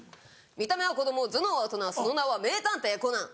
見た目は子供頭脳は大人その名は名探偵コナン。